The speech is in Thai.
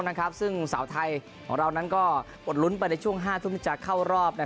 ๗๕นะครับซึ่งเสาไทยของเรานานกอกลุ่นไปได้ช่วง๕ทุนจะเข้ารอบจาก